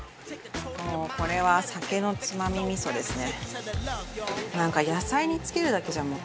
もうこれは酒のつまみ味噌ですね。